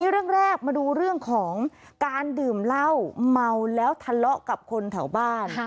เรื่องแรกมาดูเรื่องของการดื่มเหล้าเมาแล้วทะเลาะกับคนแถวบ้าน